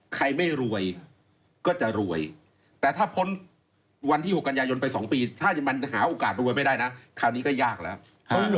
ใครไม่รวยก็จะรวยแต่ถ้าพ้นวันที่๖กันยายนไป๒ปีถ้ามันหาโอกาสรวยไม่ได้นะคราวนี้ก็ยากแล้ว